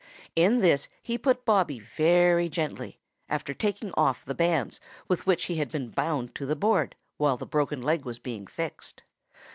In this he put Bobby very gently, after taking off the bands with which he had been bound to the board while the broken leg was being fixed.